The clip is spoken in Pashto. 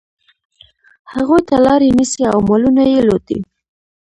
هغوی ته لاري نیسي او مالونه یې لوټي.